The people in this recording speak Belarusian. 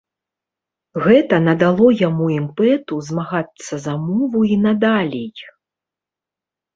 Гэта надало яму імпэту змагацца за мову і надалей.